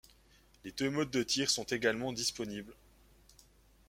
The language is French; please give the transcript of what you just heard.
Les deux modes de tir sont également disponibles.